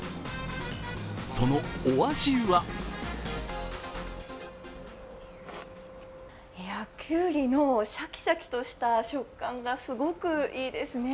そのお味はきゅうりのシャキシャキとした食感がすごくいいですね。